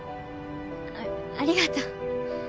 あありがとう。